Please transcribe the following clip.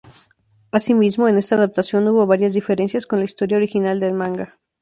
Asimismo, en esta adaptación hubo varias diferencias con la historia original del manga.